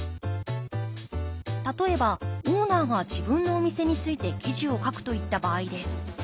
例えばオーナーが自分のお店について記事を書くといった場合です。